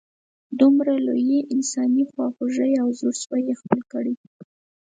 دومره لویې انسانې خواږۍ او زړه سوي یې خپل کړي.